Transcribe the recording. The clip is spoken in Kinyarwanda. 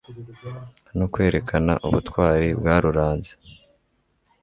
no kwerekana ubutwari bwaruranze